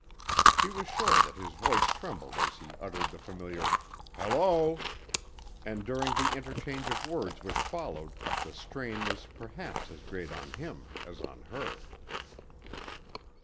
She was sure that his voice trembled as he uttered the familiar. "Hello!" and during the interchange of words which followed, the strain was perhaps as great on him as on her.